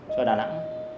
cho đà nẵng